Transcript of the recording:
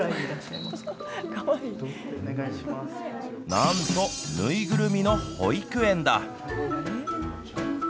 何と縫いぐるみの保育園だ。